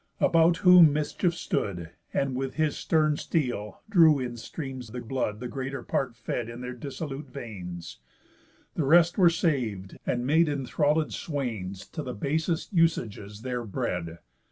About whom mischief stood, And with his stern steel drew in streams the blood The greater part fed in their dissolute veins; The rest were sav'd, and made enthralléd swains To all the basest usages there bred.